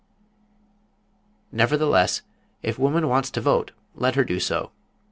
Nevertheless, if woman wants to vote let her do so.